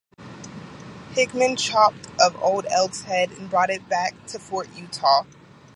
Hickman chopped of Old Elk's head and brought it back to Fort Utah.